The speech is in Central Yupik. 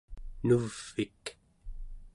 nuv'ik